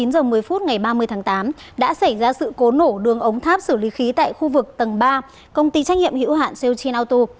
ngày ba mươi tháng tám đã xảy ra sự cố nổ đường ống tháp xử lý khí tại khu vực tầng ba công ty trách nhiệm hiệu hạn seochin auto